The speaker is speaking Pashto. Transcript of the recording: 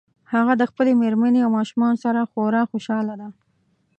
هغه د خپلې مېرمنې او ماشومانو سره خورا خوشحاله ده